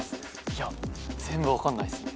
いや全部分かんないっす。